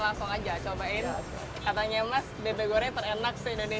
langsung aja cobain katanya mas bebek goreng terenak di indonesia bebek raminten ya oke